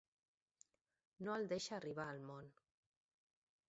No el deixa arribar al món.